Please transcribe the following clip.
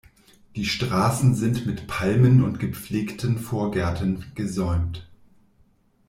Die Straßen sind mit Palmen und gepflegten Vorgärten gesäumt.